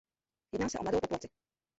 Jedná se o mladou populaci.